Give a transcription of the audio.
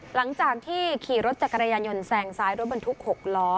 หลังจากที่ขี่รถจักรยานยนต์แซงซ้ายรถบรรทุก๖ล้อ